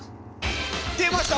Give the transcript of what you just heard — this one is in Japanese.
出ました